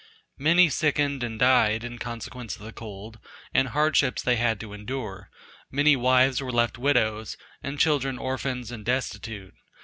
Many sickened and died, in consequence of the cold, and hardships they had to endure; many wives were left widows, and children orphans, and destitute.